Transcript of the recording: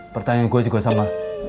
pertanyaan gue juga sama